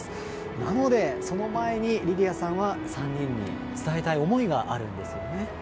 なので、その前にリリアさんは３人に伝えたい思いがあるんですよね。